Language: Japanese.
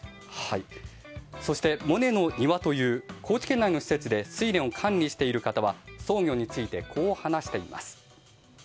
そして、モネの庭という高知県内の施設でスイレンを管理している方はソウギョについてこう話しています。